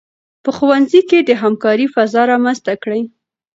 په ښوونځي کې د همکارۍ فضا رامنځته کړئ.